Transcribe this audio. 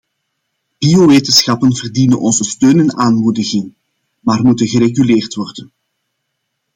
Biowetenschappen verdienen onze steun en aanmoediging, maar moeten gereguleerd worden.